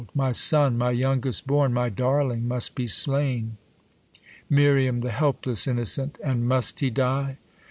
my son, My youngest born, my darling must be slain ! Mir, The helpless itmocent ! and must he die